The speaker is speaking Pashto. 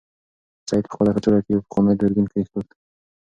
سعید په خپله کڅوړه کې یو پخوانی دوربین کېښود.